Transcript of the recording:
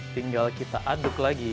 tinggal kita aduk lagi